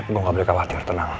tapi gue gak boleh khawatir tenang